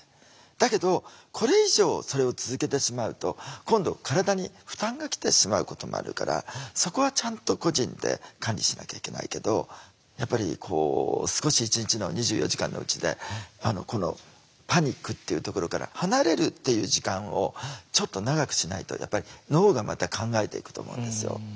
だけどこれ以上それを続けてしまうと今度体に負担がきてしまうこともあるからそこはちゃんと個人で管理しなきゃいけないけどやっぱりこう少し一日の２４時間のうちでパニックっていうところから離れるっていう時間をちょっと長くしないとやっぱり脳がまた考えていくと思うんですよ。